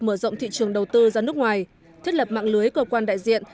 mở rộng thị trường đầu tư ra nước ngoài thiết lập mạng lưới cơ quan đại diện